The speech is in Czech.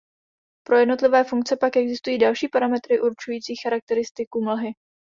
Pro jednotlivé funkce pak existují další parametry určující charakteristiku mlhy.